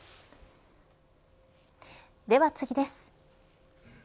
では次です。